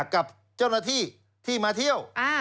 กับเจ้าหน้าที่ที่มาเที่ยว